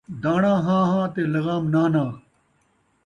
داݨا ہاں ہاں تے لغام نان٘ہہ نان٘ہہ